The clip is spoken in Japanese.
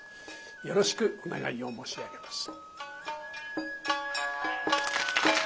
よろしくお願いを申し上げます。